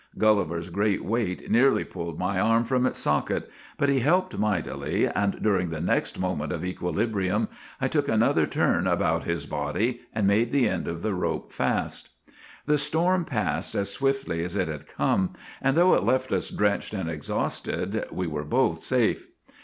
Gulliver's great weight nearly pulled my arm from its socket, but he helped mightily, and during the next moment of equilibrium I took another turn about his body and made the end of the rope fast. The storm passed as swiftly as it had come, and though it left us drenched and exhausted, we were both safe.